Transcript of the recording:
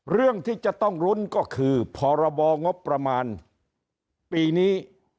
เรื่องที่จะต้องลุ้นก็คือพรบงบประมาณปีนี้